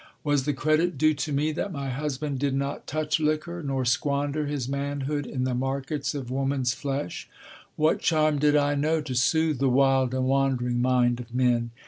Was the credit due to me that my husband did not touch liquor, nor squander his manhood in the markets of woman's flesh? What charm did I know to soothe the wild and wandering mind of men?